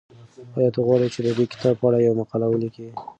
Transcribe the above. ایا ته غواړې چې د دې کتاب په اړه یوه مقاله ولیکې؟